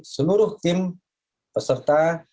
seluruh tim peserta